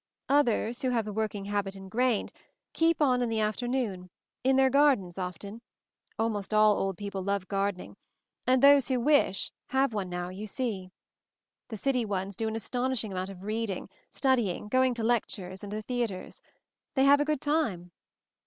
Others, who have the working habit ingrained, keep on in the af ternoon; in their gardens often; almost all old people love gardening; and those who wish, have one now, you see. The city ones do an astonishing amount of reading, study ing, going to lectures, and the theatres. They have a good time."